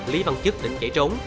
lý văn trúc định chạy trốn